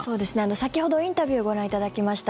先ほどインタビューをご覧いただきました